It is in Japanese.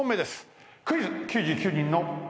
クイズ。